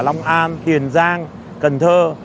long an tiền giang cần thơ